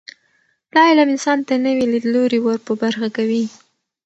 دا علم انسان ته نوي لیدلوري ور په برخه کوي.